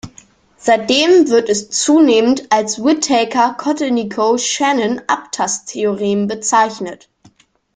Seitdem wird es zunehmend als Whittaker-Kotelnikow-Shannon-Abtasttheorem bezeichnet.